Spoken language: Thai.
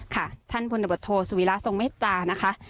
ค่ะท่านพลบรถโทสวีละสงเมษตานะคะ